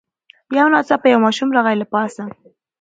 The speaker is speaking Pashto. یو ناڅاپه یو ماشوم راغی له پاسه